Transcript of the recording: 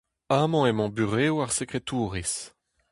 Amañ emañ burev ar sekretourez.